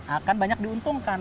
akan banyak diuntungkan